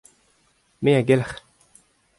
me a gelc'h.